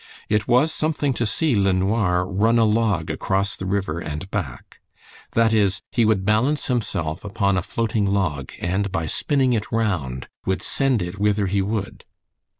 It was something to see LeNoir "run a log" across the river and back; that is, he would balance himself upon a floating log, and by spinning it round, would send it whither he would.